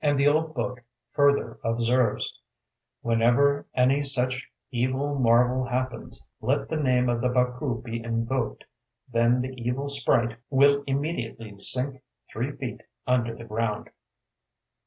And the old book further observes: "Whenever any such evil marvel happens, let the name of the Baku be invoked: then the evil sprite will immediately sink three feet under the ground."